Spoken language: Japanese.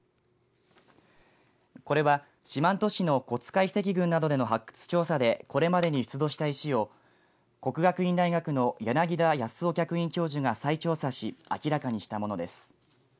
これは、四万十市の古津賀遺跡群などでの発掘調査でこれまでに出土した石を國學院大学の柳田康雄客員教授が再調査し明らかにしたものです。